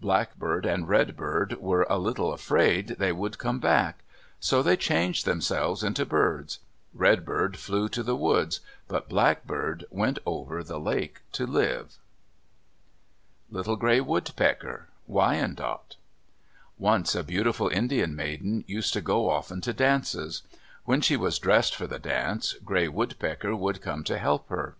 Blackbird and Redbird were a little afraid they would come back. So they changed themselves into birds. Redbird flew to the woods, but Blackbird went over the lake to live. LITTLE GRAY WOODPECKER Wyandot Once a beautiful Indian maiden used to go often to dances. When she was dressing for the dance, Gray Woodpecker would come to help her.